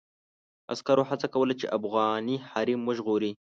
عسکرو هڅه کوله چې افغاني حريم وژغوري.